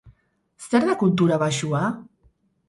Zer da kultura baxua?